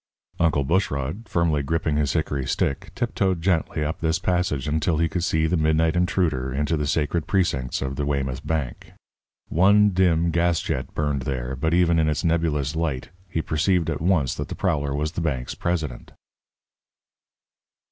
Uncle Bushrod, firmly gripping his hickory stick, tiptoed gently up this passage until he could see the midnight intruder into the sacred precincts of the Weymouth Bank. One dim gas jet burned there, but even in its nebulous light he perceived at once that the prowler was the bank's president.